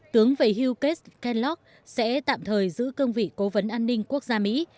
tướng về hugh kedlock sẽ tạm thời giữ cương vị cố vấn an ninh quốc gia mỹ